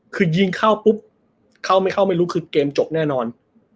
คือยิงเข้าปุ๊บเข้าไม่เข้าไม่รู้คือเกมจบแน่นอน